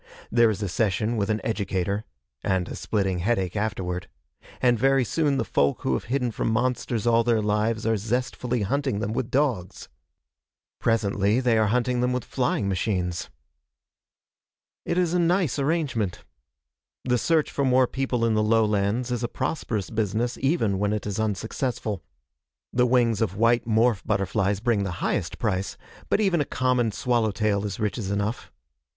There is a session with an educator and a splitting headache afterward and very soon the folk who have hidden from monsters all their lives are zestfully hunting them with dogs. Presently they are hunting them with flying machines. It is a nice arrangement. The search for more people in the lowlands is a prosperous business even when it is unsuccessful. The wings of white morph butterflies bring the highest price, but even a common swallow tail is riches enough.